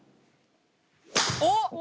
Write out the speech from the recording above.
おっ！